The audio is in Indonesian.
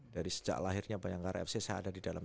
dari sejak lahirnya bayangkara fc saya ada di dalam